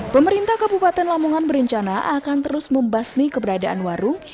pemerintah kabupaten lamongan berencana akan terus membasmi keberadaan warung